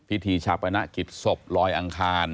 พิธีฉับประณะกิจศพรอยอังคาร